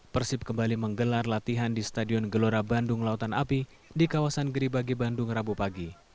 persib kembali menggelar latihan di stadion gelora bandung lautan api di kawasan geribagi bandung rabu pagi